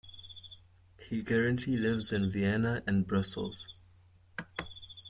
He currently lives in Vienna and Brussels.